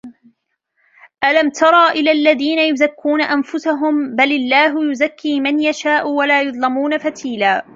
ألم تر إلى الذين يزكون أنفسهم بل الله يزكي من يشاء ولا يظلمون فتيلا